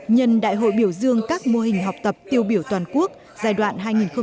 nhân đại hội biểu dương các mô hình học tập tiêu biểu toàn quốc giai đoạn hai nghìn một mươi sáu hai nghìn hai mươi